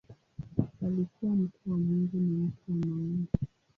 Alikuwa mtu wa Mungu na mtu wa maombi.